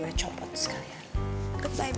gak ada yang mau kutip